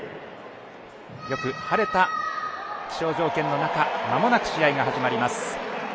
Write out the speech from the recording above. よく晴れた気象条件の中まもなく試合が始まります。